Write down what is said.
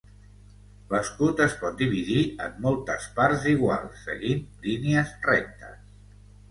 L'escut es pot dividir en moltes parts iguals, seguint línies rectes.